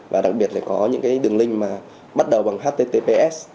và đặc biệt là có những đường link bắt đầu bằng https